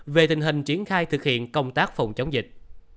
về tình hình triển khai thực hiện công tác phòng chống dịch